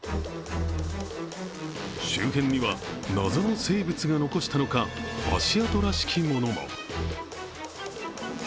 周辺には謎の生物が残したのか足跡らしきものも。